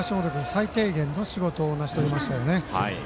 最低限の仕事を成し遂げましたね。